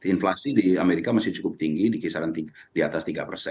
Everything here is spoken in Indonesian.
inflasi di amerika masih cukup tinggi di kisaran di atas tiga persen